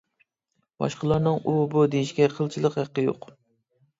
باشقىلارنىڭ ئۇ-بۇ. دېيىشىگە قىلچىلىك ھەققى يوق!